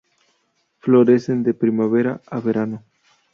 Florecen de primavera a verano.